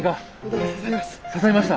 刺さりました？